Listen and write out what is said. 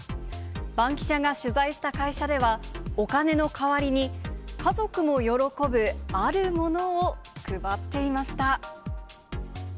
バンキシャが取材した会社では、お金の代わりに家族も喜ぶあるものを配っていました。